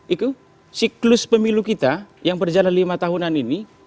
itu siklus pemilu kita yang berjalan lima tahunan ini